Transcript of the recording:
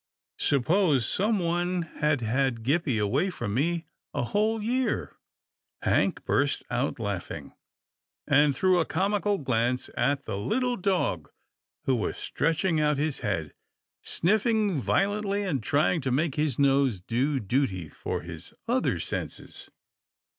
Suppose some one had had Gippie away from me a whole year ?" Hank burst out laughing, and threw a comical glance at the little dog who was stretching out his head, snifiing violently, and trying to make his nose do duty for his other senses.